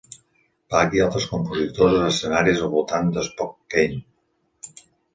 Bach i altres compositors a escenaris al voltant de Spokane.